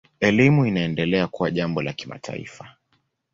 Elimu inaendelea kuwa jambo la kimataifa.